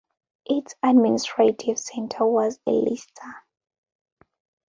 Its administrative center was Elista.